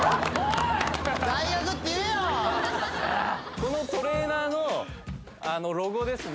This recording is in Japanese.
このトレーナーのロゴですね